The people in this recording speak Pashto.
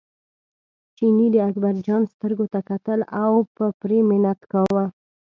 چیني د اکبرجان سترګو ته کتل او په پرې منت کاوه.